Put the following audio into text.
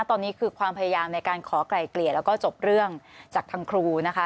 ตอนนี้คือความพยายามในการขอไกล่เกลี่ยแล้วก็จบเรื่องจากทางครูนะคะ